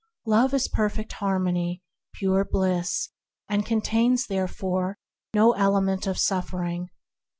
Love is Perfect Harmony, pure Bliss, and contains, no element of suffering.